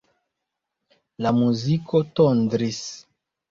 La muziko tondris.